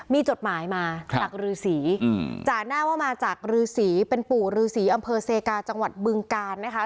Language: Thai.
มีจดหมายมาจากรือสีจ่าหน้าว่ามาจากรือสีเป็นปู่ฤษีอำเภอเซกาจังหวัดบึงกาลนะคะ